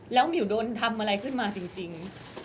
แล้วหมิวโดนทำอะไรขึ้นมาจริง